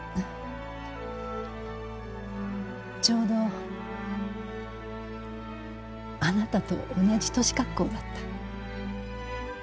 ちょうどあなたと同じ年格好だった。